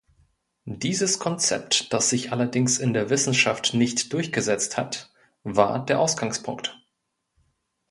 Dieses Konzept, das sich allerdings in der Wissenschaft nicht durchgesetzt hat, war der Ausgangspunkt.